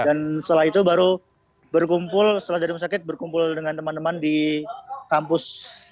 setelah itu baru berkumpul setelah dari rumah sakit berkumpul dengan teman teman di kampus